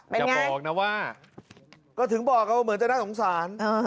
เป็นไงก็ถึงบอกกันว่าเหมือนจะน่าสงสาร